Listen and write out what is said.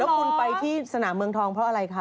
คุณไปที่สนามเมืองทองเพราะอะไรคะ